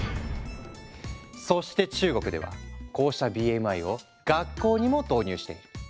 そして中国ではこうしたＢＭＩを学校にも導入している。